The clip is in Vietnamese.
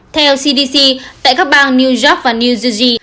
theo cdc tại các bang new york và new zegi